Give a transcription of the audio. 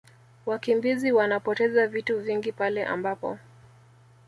Wakimbizi wanapoteza vitu vingi pale ambapo